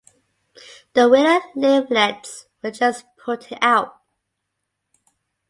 The willow leaflets were just putting out.